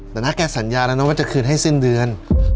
แต่ถ้าแกสัญญาแล้วนะว่าจะคืนให้สิ้นเดือน